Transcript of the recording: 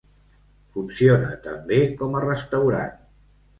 Funciona també com a restaurant.